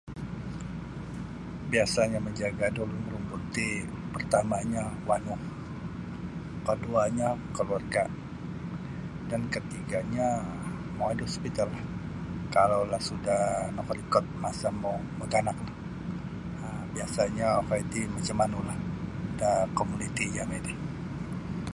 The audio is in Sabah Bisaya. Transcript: Biasanyo menjaga da ulun-ulun ti pertamanyo wanu kaduanyo keluarga dan katiganyo mongoi da hospitallah kalau lah sudah nokorikot masa mo maganak um biasanyo okoi ti macam manu lah da komunitinyo iti.